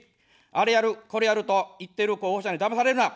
あれやる、これやると言ってる候補者にだまされるな。